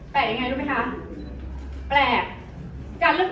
อ๋อแต่มีอีกอย่างนึงค่ะ